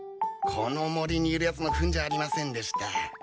この森にいるやつのふんじゃありませんでした。